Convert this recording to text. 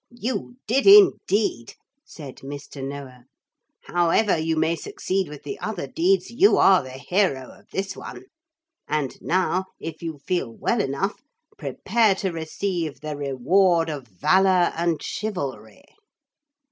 'You did indeed,' said Mr. Noah; 'however you may succeed with the other deeds, you are the hero of this one. And now, if you feel well enough, prepare to receive the reward of Valour and Chivalry.'